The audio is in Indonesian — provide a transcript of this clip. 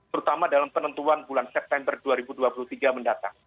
terutama dalam penentuan bulan september dua ribu dua puluh tiga mendatang